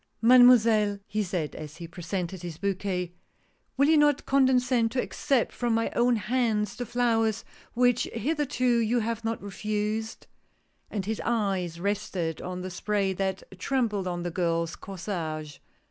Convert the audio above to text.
" Mademoiselle," he said as he presented his bouquet, " will you not condescend to accept from my own hands the flowers which hitherto you have not refused? " And his eyes rested on the spray that trembled on the girl's corsage.